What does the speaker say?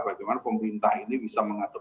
bagaimana pemerintah ini bisa mengatur